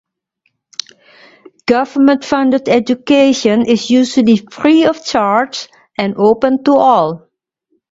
Government-funded education is usually free of charge and open to all.